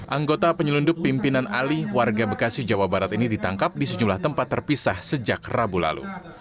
anggota penyelundup pimpinan ali warga bekasi jawa barat ini ditangkap di sejumlah tempat terpisah sejak rabu lalu